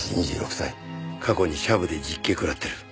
過去にシャブで実刑くらってる。